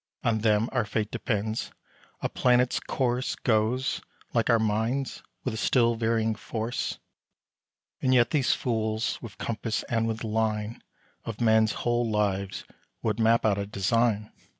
On them our fate depends: a planet's course Goes like our minds, with a still varying force. And yet these fools, with compass and with line, Of men's whole lives would map out a design!